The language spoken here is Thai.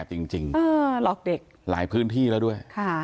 ผีชิงช้านี่มันก็แสบจริงหลายพื้นที่แล้วด้วย